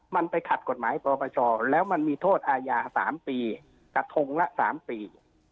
มันไปขัดกฎหมายปปชแล้วมันมีโทษอาญา๓ปีกระทงละ๓ปี